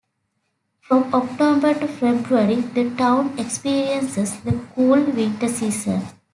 From October to February, the town experiences the cool winter season.